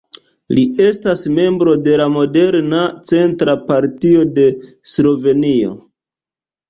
Li estas membro de la moderna centra partio de Slovenio.